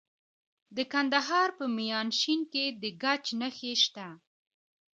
د کندهار په میانشین کې د ګچ نښې شته.